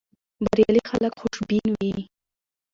بریالي خلک خوشبین وي.